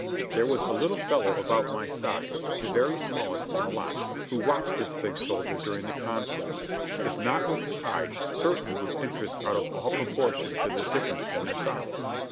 There was a little fellow about my size, the very smallest in the lot, who watched this big soldier during the conflict, if not with pride, certainly with interest out of all proportion to the differ ence in their size.